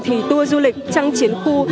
thì tour du lịch trăng chiến khu